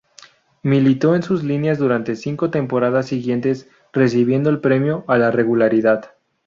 Militó en sus líneas durante cinco temporadas siguientes, recibiendo el Premio a la Regularidad.